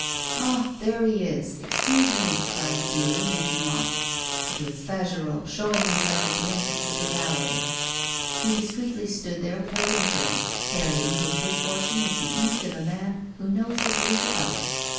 'Ah! there he is; excuse me!' cried the dealer, making off. It was Fagerolles showing himself at the entrance of the gallery. He discreetly stood there without entering, carrying his good fortune with the ease of a man who knows what he is about.